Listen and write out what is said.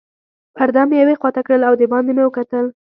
پرده مې یوې خواته کړل او دباندې مې وکتل.